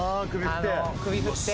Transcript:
首振って。